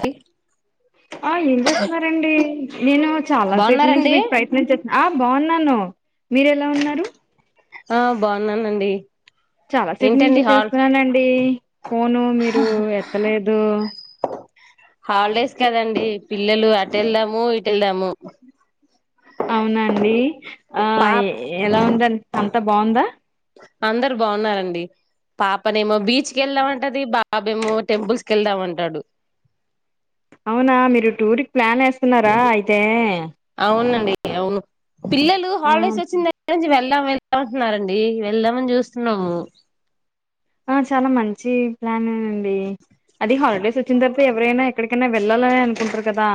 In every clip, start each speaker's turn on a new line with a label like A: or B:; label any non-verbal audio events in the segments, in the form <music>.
A: D
B: ఆ ఏం చేస్తున్నారండి నేను చాలా సేపు నుంచి
A: బాగున్నారండి
B: మీకు ప్రయత్నం చేస్త ఆ బాగున్నాను మీర ఎలా ఉన్నారు
A: ఆ బాగున్నానండి
B: చాలాసేపు నుంచి
A: ఏంటండి హాల్
B: చేస్తున్నానండీ ఫోను మీరు ఎత్తలేదు
A: హాలిడేస్ కదండి పిల్లలు అటెల్దాము ఈటెల్దాము
B: అవునండి ఆ ఎలా ఉందండి అంత బాగుందా
A: అందరు బాగున్నారండి పాపనేమొ బీచ్ బీచ్ కెల్దామంటది బ బాబేమో టెంపుల్స్ కెళ్దామంటాడు
B: అవునా మీరు టూరిక్ ప్లాన్ ఏస్తున్నారా అయితే
A: కే అవును పిల్లలు హాలడేస్ వచ్చిందగ్గర నుండీ వెల్ పవెళ్దామంటున్నారండీ వెళ్దామని చూస్తున్నాము
B: ఆ చాలా మంచీ ప్లానే న అండీ అది హాలిడేస్ వచ్చిన తర్వాత ఎవరైన ఎక్కడికైన వెళ్ళాలనే అనుకుంటరు కదా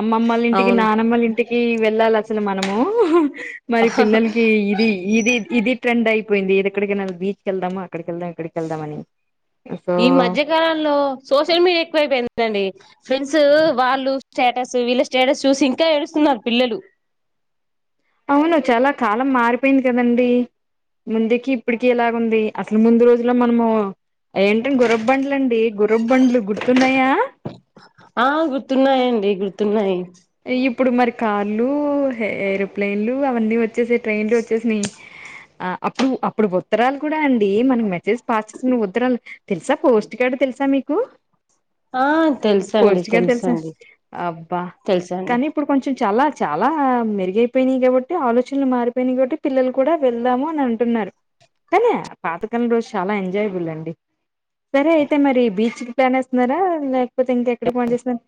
B: అమ్మమ్మల ఇంటికి
A: అవును
B: నానమ్మల ఇంటికీ వెళ్ళాలి అసలు మనమూ ఉహు మరి పిల్లలకీ ఇది ఇది ఇది ట్రెండ్ అయిపోయింది ఎక్కడికైనా బీచ్కెల్దామా అక్కడికెల్దాం ఎక్కడికెళ్దామని
A: ఈ మధ్యకాలంలో సోషల్ మీడియా ఎక్కువైపోయిందండీ ఫ్రెండ్స్ ఊ వాళ్ళు స్టేటస్ వీళ్ళ స్టేటస్ చూసి ఇంకా ఏడుస్తున్నారు పిల్లలు
B: అవును చాల కాలం మారిపోయింది కదండీ ముందుకి ఇప్పటికి ఎలాగుంది అసలు ముందు రోజుల్లో మనమూ ఏంటి గురబ్బండ్ల అండి గురబ్బండ్లు గుర్తున్నాయా
A: ఆ గుర్తున్నాయండి గుర్తున్నాయి
B: ఇప్పుడు మరి కార్లూ హె ఎరోప్లేన్లూ అవన్నీ వచ్చ వచ్చేసీనయి ట్రైన్లూ వచ్చేసీనయి అ అప్పుడు అప్పుడు ఉత్తరాలు కూడా అండీ మనం దిస్ పాస్ట్ లో ఉండే ఉత్తరాలు తెలుస పోస్ట్ కార్డ్ తెలుసా మీకు కు
A: ఆ తెలుసండి తెలుసండి
B: అబ్బా
A: తెలుసా అండి
B: కానీ ఇప్పుడు కొంచెం చాలా చాలా మెరుగైపోయినయి కాబట్టి ఆలోచనలు మారిపోయినయి. కాబట్టి పిల్లలు కూడా వెళ్దాము అని అంటున్నారు. కానీ పాతకాలం రోజు చాలా ఎంజాయబుల్ అండి. సరే అయితే మరి బీచ్ కి ప్లాన్ వేస్తున్నరా, లేకపోతె ఇంకెక్కడికి ప్లాన్ చేస్తున్నారు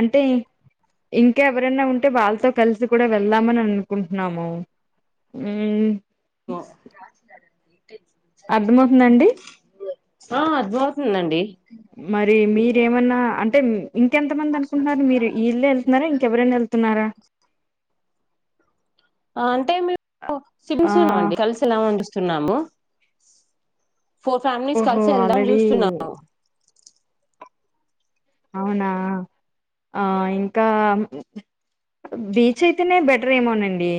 B: అంటే, ఇంకా ఎవరైన ఉంటె వాళ్ళతో కలిసి కూడా, వెళ్దామని అనుకుంటున్నాము ఊ అర్థమవుతుందా అండి
A: ఆ అర్థమవుతుందండి
B: మరి మీరేమన్నా అంటే హ్మ్ ఇంకెంత మంది అనుకుంటున్నారు. మీరు ఈ ఇల్లు వెళ్తున్నార ఇంకెవరైనా వెళ్తున్నార. తున్నార
A: అంటే మేము
B: ఆ
A: సిమ్స్ ఉన్నామండి కలిసి ఎలా వండుస్తున్నాము ఫోర్ ఫ్యామిలీస్
B: ఓహో!
A: కలిసి వెళ్దామని
B: ఆల్రెడీ
A: చూస్తున్నాను.
B: అవునా ఆ ఇంకా బీచ్ అయితేనే బెటర్ ఏమోనండి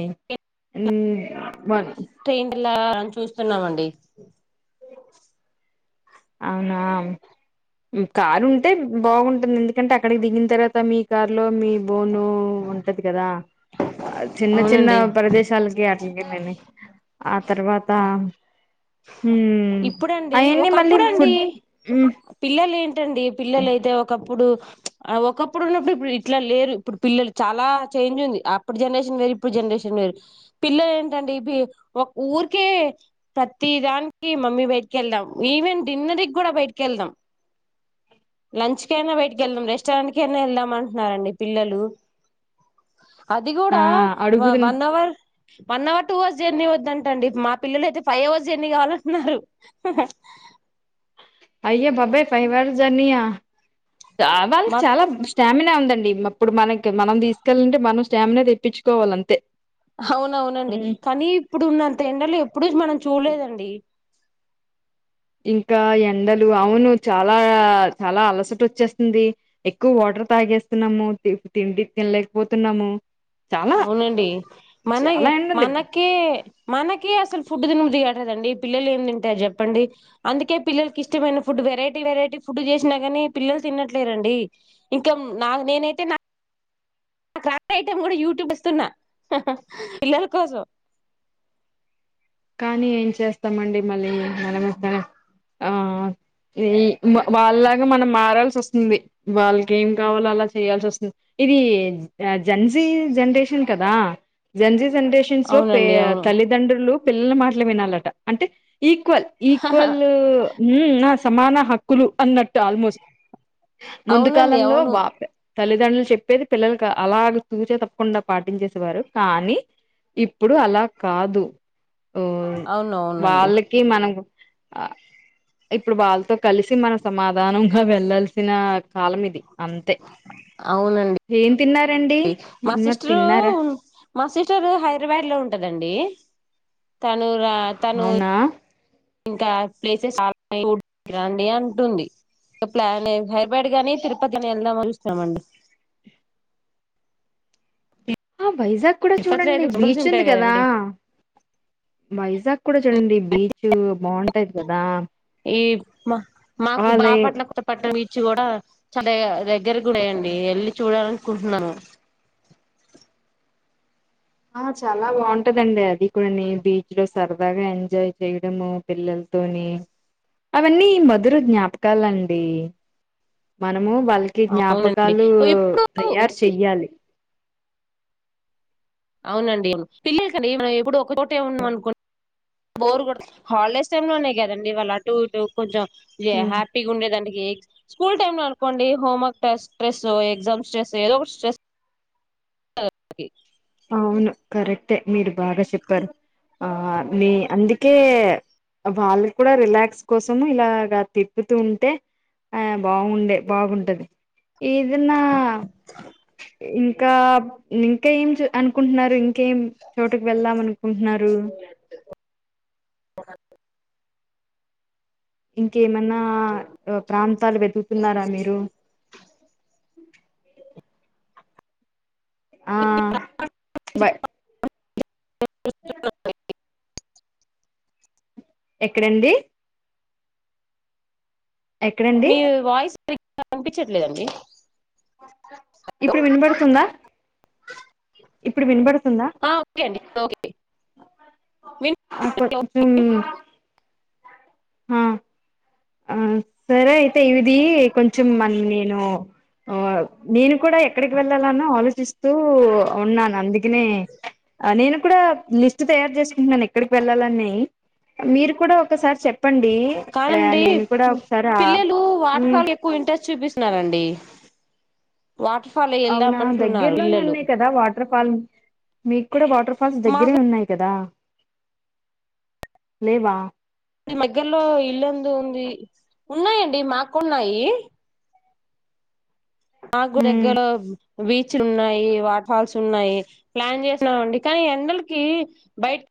B: ఊ వన్
A: ట్రైండ్లా అని చూస్తున్నామండి
B: అవునా కారు ఉంటే బాగుంటుంది. ఎందుకంటే అక్కడికి దిగిన తర్వాత, మీ కారు లో మీ బోను ఉంటది కదా. చిన్న చిన్న
A: అవునండి
B: ప్రదేశాలకి అ ఆ తర్వాత హ్మ్
A: ఇప్పుడు అండి
B: అయన్నీ మళ్ళీ
A: ఒకప్పుడు
B: ఫుడ్
A: డి
B: హ్మ్
A: పిల్లలు ఏం ఏంటండి పిల్లలయితే, ఒకప్పుడు ఒకప్పుడు ఉన్నప్పుడు ఇప్పుడు ఇట్లా లేరు. ఇప్పుడు పిల్లలు చాలా చేంజ్ ఉంది. అప్పుడు జనరేషన్ వేరు, ఇప్పుడు జనరేషన్ వేరు పిల్లలు ఏంటండి ఇ ఒక ఊరికే ప్రతి దానికి మమ్మీ బయటికి వెళ్దాం. ఈవెన్ డిన్నర్ కి కూడా బయటకి వెళ్దాం. లంచ్ కయినా బయటిక వెళ్దాం. రెస్టారెంట్ క అయినా వెళ్దాం అంటున్నారండి పిల్లలు. అది
B: ఆ
A: కూడా
B: అడుగుతున్
A: one hour one hour two hours journey వద్దంటండి. మా పిల్లలైతే ఫైవ్ అవర్స్ జర్నీ కావాలి అం న్నారు
B: అయ్య బాబ్బా ఫైవ్ అవర్స్ జర్నియా ఆ వాళ్ళు
A: మా
B: చాలా స్టామినా ఉందండి ఇప్పుడు మనకి మనం తీసుకెల్ అంటే మనుస్ స్టామిన తెప్పించుకోవాలి అంతే
A: హవునవునండి కానీ ఇప్పుడున్నంత ఎండలు ఎప్పుడు మనం చూడలేదండి
B: ఇంకా ఎండలు అవును చాలా చాలా అలసట వచ్చేస్తుంది. ఎక్కువ వాటర్ తాగేస్తున్నాము తిండి తినలేకపోతున్నాము. చాలా
A: అవునండి మన
B: చాలా ఎండ ఉంది
A: మనకే మనకే అసలు ఫుడ్ తినబుద్ధి దండి పిల్లలేం తింటారు చెప్పండి. అందుకే పిల్లలకి ఇష్టమైన ఫుడ్ వెరైటీ వెరైటీ ఫుడ్ చేసినా కాని పిల్లలు తినట్లేరండి ఇంకా నా నేనైతే నా <unintelligible> ఐటెమ్ కూడా యూట్యూబ్ ఇస్తున్నా పిల్లల కోసం
B: కానీ ఏం చేస్తామండి మళ్ళీ మన <unintelligible> ఆ ఈ వాళ్ళలాగా మనం మారాల్సొస్తుంది. వాళ్ళకేం కావాలో అలా చేయాల్సొస్తుంది ఇది జన్జీ జెనరేషన్ కదా జంజి జనరేషన్స్ లో పే
A: అవునండి అవును
B: తల్లిదండ్రులు పిల్లల మాటలే వినాలట అంటే ఈక్వల్ ఈక్వలూ ఉమ్ సమాన హక్కులు అన్నట్టు ఆల్మోస్ట్ ముందు
A: అవునండి
B: కాలంలో
A: అవును
B: బాపే తల్లిదండ్రులు చెప్పేది పిల్లలకి అలాగ తూచా తప్పకుండా పాటించేసేవారు. కానీ ఇప్పుడు అలా కాదు. ఓ
A: అవును అవునండి
B: వాళ్ళకి మనం ఆ ఇప్పుడు వాళ్ళతో కలిసి మన సమాధానంగా వెళ్ళాల్సిన కాలం ఇది అంతే
A: అవునండి
B: ఏం తిన్నార్
A: మా సిస్టరు మా సిస్టరు హైదరాబాద్ లో ఉంటదండి తను రా తను
B: అవునా
A: ఇంకా ప్లేసెస్ <unintelligible> అంటుంది ఇంక ప్లాన్ హైదరాబాద్ గాని తిరుపతైన వెళ్దామని చూస్తున్నమండి
B: ఆ బైజా కూడా
A: తిరుపతిలో
B: చూడండి
A: అయితే టెంపుల్స్
B: బీచ్ ఉంది
A: ఉంటాయి
B: కదా
A: కదండి
B: వైజాగ్ కూడా చూడండి బీచ్ బాగుంటాది కదా
A: ఏమ మాకు
B: అదే
A: బాపట్ల వచ్చి కూడా చాల దగ్గర కూడా వేయండి వెళ్ళి చూడాలనుకుంటున్నాను
B: ఆ చాలా బాగుంటదండి అది కూడా నీ బీచ్ లో సరదాగా ఎంజాయ్ చేయడము పిల్లలతోని అవన్నీ మధుర జ్ఞాపకాలండి మన ము వాళ్ళకి
A: అవునండి
B: జ్ఞాపకాలు
A: ఇప్పుడు
B: తయారు చెయ్యాలి
A: అవునండి పిల్లలకండి మనం ఎప్పుడు ఒక చోటే ఉన్నాం అనుకొ బోర్ హాలిడేస్ టై లోనే కదండి వాళ్ళు అటు ఇటు కొంచెం ఏ
B: ఉమ్
A: హ్యాపీగా ఉండేదాంటకి స్కూల్ టైమ్ లో అనుకోండి హోమర్క్ స్ట్రెస్ ఎగ్జామ్ స్ట్రెస్ ఏదో ఒకటి స్ట్రెస్ <inaudible>
B: అవును కరెక్టే మీరు బాగా చెప్పారు. ఆ మీ అందుకే వాళ్ళకూడా రిలాక్స్ కోసం ఇలాగా తిప్పుతూ ఉంటే ఆ బాగుండే బాగుంటది ఇదన్న ఇ ఇంకా ఇంకా ఏం చ్ అనుకుంటున్నారు ఇం ంకేం చోటకి వెళ్దాం అనుకుంటున్నారు
A: అ
B: ఇంక్ ఏమన్నా ప్రాంతాలు వెతుకుతున్నారా మీరు ఆ బయ్ ఎక్కడండి ఎక్కడండి
A: కనిపించట్లేదండి
B: ఇప్పుడు వినబడుతుందా ఇప్పుడు
A: ఆ ఓకే అండి ఓకే విన్
B: అ ఆ సరే అయితే ఇవది కొంచెం మన నేను ఆ నేను కూడా ఎక్కడికి వెళ్ళాలనో ఆలోచిస్తూ ఉన్నాను అందుక్ నే ఆ నేను లిస్ట్ తయారు చేసుకుంటున్నాను ఎక్కడికి వెళ్ళాలని మీరు కూడా ఒకసారి చె చెప్పండి ఏ
A: కాదండి పిల్లలు వాటర్ ఫాల్ ఎక్కువ ఇంట్రెస్ట్ చూపిస్త న్నారండి
B: అవునా దగ్గరలోనే ఉన్నాయి కదా వాటర్ ఫాల్ మీకు కూడా వాటర్ ఫాల్స్ దగ్గరే
A: మాకు
B: ఉన్నాయి కదా లేవా
A: దగ్గరలో ఇల్లందు ఉంది ఉన్నాయండి మాకున్నాయి మాకు
B: ఉమ్
A: దగ్గెర బీచ్లు ఉన్నాయి వాటర్ ఫాల్స్ ఉన్నాయి ప్లాన్ చేసినామ అండి కానీ ఎండలకి బయట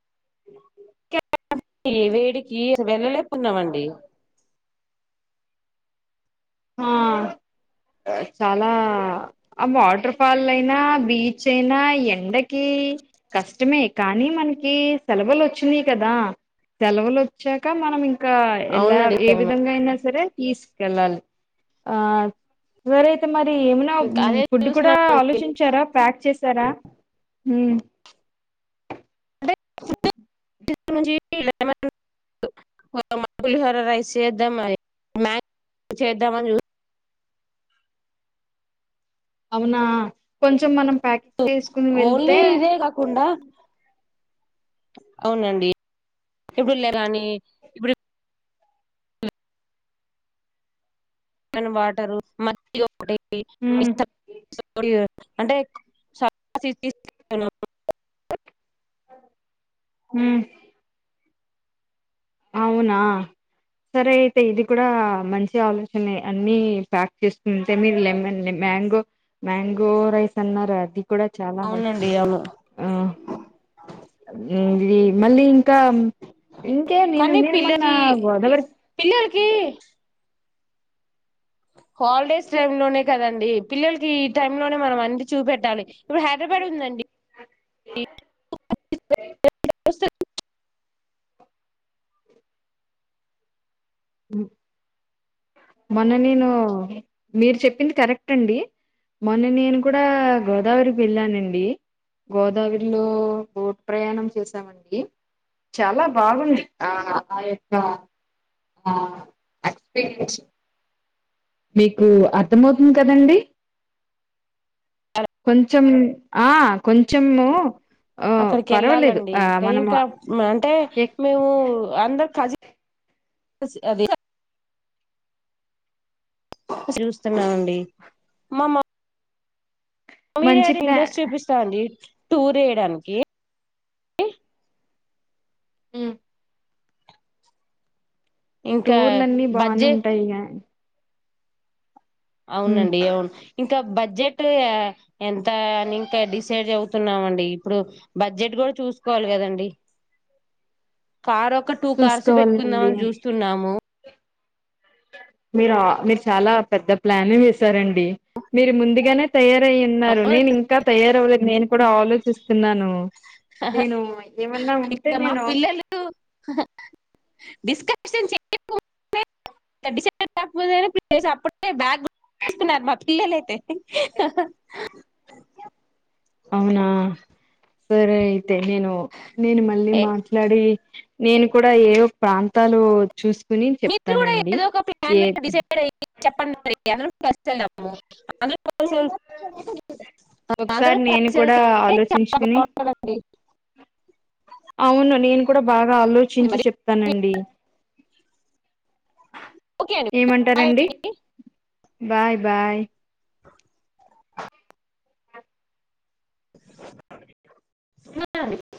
A: వేడికి వెళ్ళలేపు ఉన్నామండి
B: ఆ చాలా వాటర్ ఫాల్ అయినా బీచ్ అయినా ఎండకి కష్టమే కానీ మనకి సెలవులు వచ్చినాయి కదా సెలవులు వచ్చాక మనం ఇంకా ఎలా
A: అవునండి
B: ఏ
A: అవును
B: విధంగా అయినా సరే తీసుకెళ్ళాలి ఆ జరయితే మరి ఏమనా
A: ఇంకా అదే
B: ఫుడ్ కూడా
A: చూసినామంటే
B: ఆలోచించారా ప్యాక్ చేసారా
A: <inaudible> పులిహోర రైస్ చేద్దాం మ్యాప్ చేద్దామని చ
B: అవునా కొంచెం మనం ప్యాకెట్
A: ఓ
B: చేసుకుని
A: ఓన్లీ
B: వెళ్తే
A: ఇదే కాకుండా అవునండి ఇప్పుడు లే కానీ ఇప్పుడు మనం వాటరు మజ్జి <inaudible> ఇ
B: ఉమ్
A: <unintelligible> అంటే <unintelligible>
B: హుమ్ అవునా సరే అయితే ఇది కూడా మంచి ఆలోచనే, అన్ని ప్యాక్ చేసుకుంటే మీరు లెమన్ మ్యాంగో మ్యాంగో రైస్ అన్నారా అది కూడా చాలా మంచిది
A: అవునండి అవును
B: ఆ ఇది మళ్ళీ ఇంకా ఉ ఓకే నేను
A: కానీ
B: నేను మొన్న
A: పిల్లకి
B: గోదావరి
A: పిల్లలకి
B: ఉమ్
A: హాలిడేస్ టైమ్ లోనే కదండి పిల్లలకి ఈ టైమ్ లోనే మనం అన్ని చూపెట్టాలి ఇప్పుడు హైదరాబాద్ ఉందండి స
B: మొన్న నేను మీరు చెప్పింది కరెక్ట్ అండి మొన్న నేను కూడా గోదావరికి వెళ్ళానండి గోదావరిలో బోట్ ప్రయాణం చేసామండి చాలా బాగుంది ఆ యొక్క ఆ ఎక్స్పీరియన్స్ మీకు అర్థంమవుతుంది కదండి కొంచెం ఆ కొంచెము ఆ
A: అక్కడికి
B: పర్వాలేదు
A: వెళ్ళాలండి
B: ఆ
A: ఇంకా
B: మనము
A: ఇంకా అంటే
B: ఎక్
A: మేము అందరు కజన్ స్ అదే సినిమా చూస్తున్నామండి మ మా
B: మంచి
A: మీరెది
B: ప్లా
A: ఇంట్రెస్ట్ చూపిస్తా అండి టూర్ ఏయడానికి కి
B: ఉమ్
A: ఇంకా
B: టూర్లున్నీ బానే
A: బడ్జెట్
B: ఉంటాయిక
A: అవునండి అవును ఇంకా బడ్జెట్ ఎంత అని ఇంకా డిసైడ్ అవుతున్నామండి ఇప్పుడు బడ్జెట్ కూడా చూసుకోవాలి కదండి కార్ ఒక టూ కార్స్ పెట్టుకుందాం
B: చూసుకోవాలండి
A: అని చూస్తున్నాము
B: మీరు ఆ మీరు చాలా పెద్ద ప్లానే వేసారండి మీరు ముందుగానే తయారయ్యే ఉన్నారు
A: అవును
B: నేను ఇంకా తయారు లేదు నేను కూడా ఆలోచిస్తున్నాను నేను ఏమన్నా ఉంటే
A: ఇక మా
B: నేను
A: పిల్లలు డిస్కషన్ చేయక ముందే డెసిషన్ అప్పుడే బ్యాగ్ తీసుకున్నారు మా పిల్లలయితే ఆహా ఆహా <unintelligible>
B: అవునా సరే అయి అతే నేను నేను మళ్ళీ మాట్లాడి నేను కూడా ఏవో ప్రాంతాలు చూసు
A: మీరు చూడే ఏదో ఒక ప్లాన్ డిసైడ్ అయ్ చెప్పండి అందరం కస్ట్ ఏళ్దాము అందరం
B: ఒకసారి నేను
A: కలిసి
B: కూడా
A: వెళ్తే చాలా
B: ఆలోచించుకుని
A: బాగుంటుందండి మరి ఓకే అండి బాయ్
B: ఏమంటారండి
A: అండి
B: బాయ్ బాయ్
A: నాయ్